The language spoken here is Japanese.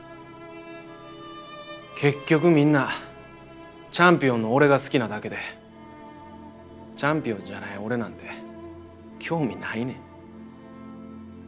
結局みんなチャンピオンの俺が好きなだけでチャンピオンじゃない俺なんて興味ないねん。